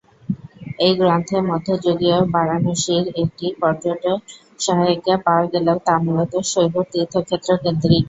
এই গ্রন্থে মধ্যযুগীয় বারাণসীর একটি পর্যটন-সহায়িকা পাওয়া গেলেও তা মূলত শৈব তীর্থক্ষেত্র-কেন্দ্রিক।